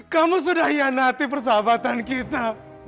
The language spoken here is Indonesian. kamu sudah hianati persahabatan kita